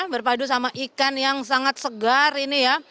berpadu sama ikan yang sangat segar ini ya